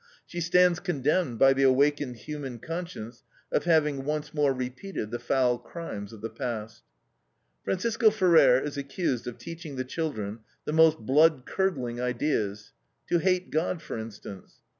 She stands condemned by the awakened human conscience of having once more repeated the foul crimes of the past. Francisco Ferrer is accused of teaching the children the most blood curdling ideas, to hate God, for instance.